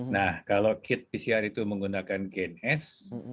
nah kalau kit pcr itu menggunakan gen s